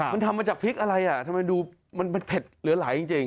มันทำมาจากพริกอะไรอ่ะทำไมดูมันเผ็ดเหลือหลายจริง